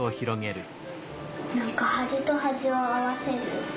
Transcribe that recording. なんかはじとはじをあわせる。